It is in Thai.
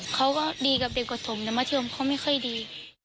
เขาก็ดีกับเด็กประถมแต่มาเทียมเขาไม่ค่อยดี